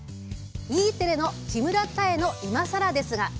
Ｅテレの「木村多江の、いまさらですが」。